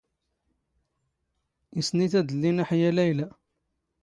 ⵉⵙ ⵏⵉⵜ ⴰⴷⵍⵍⵉ ⵏⴰⵃⵢⴰ ⵍⴰⵢⵍⴰ.